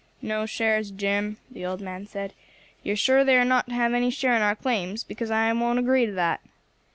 "No shares, Jim," the old man said; "you are sure they are not to have any share in our claims, because I won't agree to that."